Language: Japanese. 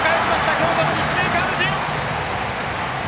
京都の立命館宇治！